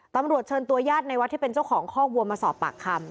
ตำรวจเชิญตัวญาติในวัดที่เป็นเจ้าของคอกวัวมาสอบปากคำ